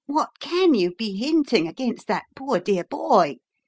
What can you be hinting against that poor, dear boy?